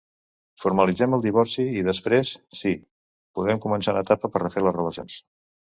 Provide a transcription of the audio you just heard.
Formalitzem el divorci i després, sí, podem començar una etapa per refer les relacions.